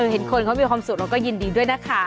เห็นคนเขามีความสุขเราก็ยินดีด้วยนะคะ